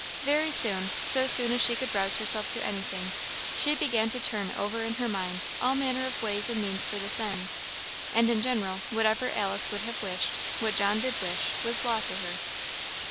Very soon, so soon as she could rouse herself to anything, she began to turn over in her mind all manner of ways and means for this end. And in general, whatever Alice would have wished, what John did wish, was law to her.